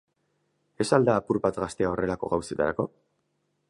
Ez al da apur bat gaztea horrelako gauzetarako?